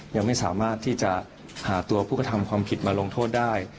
ยังไม่สามารถที่จะหาตัวผู้กระทำความผิดมาลงโทษได้